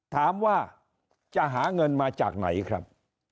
ถามว่าจะหาเงินมาจากไหนครับ